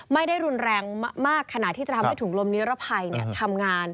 ไม่ได้รุนแรงมากขณะที่จะทำให้ถุงลมนิรภัยทำงาน